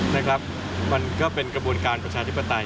นะครับก็เป็นกระบวนการปราชาธิปตราย